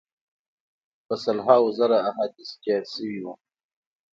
په سل هاوو زره احادیث جعل سوي وه.